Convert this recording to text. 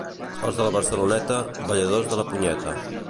Els de la Barceloneta, balladors de la punyeta.